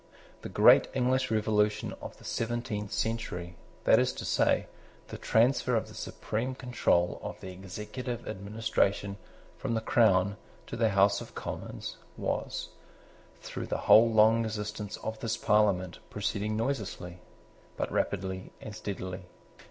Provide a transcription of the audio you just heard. The great English revolution of the seventeenth century, that is to say, the transfer of the supreme control of the executive administration from the crown to the House of Commons, was, through the whole long existence of this Parliament, proceeding noiselessly, but rapidly and steadily.